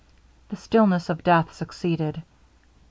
The stillness of death succeeded.